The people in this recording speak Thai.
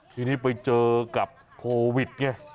ทีนี้ไปเจอกับโควิดไง